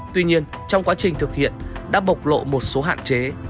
tuy nhiên trong quá trình thực hiện đã bộc lộ một số hạn chế